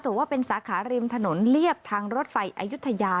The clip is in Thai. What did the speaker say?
แต่ว่าเป็นสาขาริมถนนเรียบทางรถไฟอายุทยา